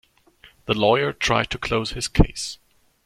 The lawyer tried to lose his case.